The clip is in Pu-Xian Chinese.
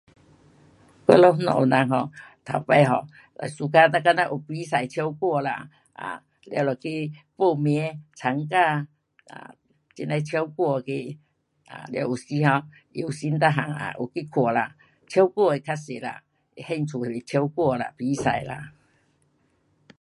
我们家内的人 um 头次 [um]suka 就好像有比赛唱歌啦，um 了就去报名参加，um 这样的唱歌那个，了有时 um 他有时每样有去看啦，唱歌的较多啦，兴趣是唱歌啦，比赛啦。